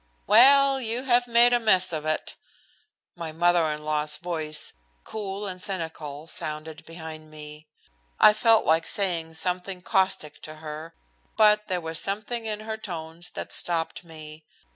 "Well, you have made a mess of it!" My mother in law's voice, cool and cynical, sounded behind me. I felt like saying something caustic to her, but there was something in her tones that stopped me.